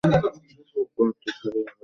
পৌরোহিত্য ছাড়িতে হইল।